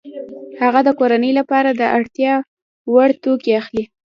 هغه د کورنۍ لپاره د اړتیا وړ توکي اخلي